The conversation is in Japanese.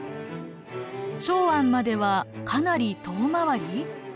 長安まではかなり遠回り？